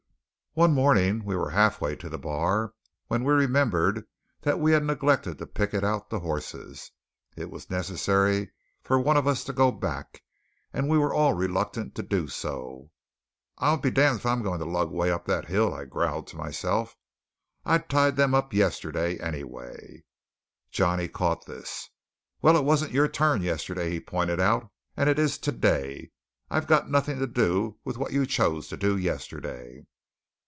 One morning we were halfway to the bar when we remembered that we had neglected to picket out the horses. It was necessary for one of us to go back, and we were all reluctant to do so. "I'll be damned if I'm going to lug 'way up that hill," I growled to myself. "I tied them up yesterday, anyway." Johnny caught this. "Well, it wasn't your turn yesterday," he pointed out, "and it is to day. I've got nothing to do with what you chose to do yesterday."